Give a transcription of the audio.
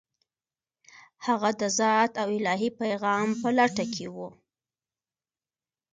هغه د ذات او الهي پیغام په لټه کې و.